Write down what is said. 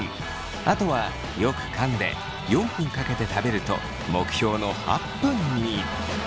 あとはよくかんで４分かけて食べると目標の８分に。